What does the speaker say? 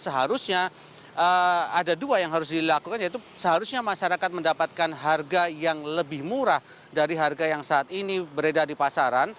seharusnya ada dua yang harus dilakukan yaitu seharusnya masyarakat mendapatkan harga yang lebih murah dari harga yang saat ini beredar di pasaran